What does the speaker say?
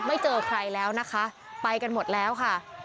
เจอใครแล้วนะคะไปกันหมดแล้วค่ะ